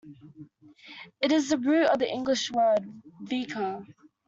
It is the root of the English word "vicar".